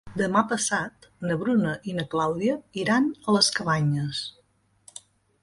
Demà passat na Bruna i na Clàudia iran a les Cabanyes.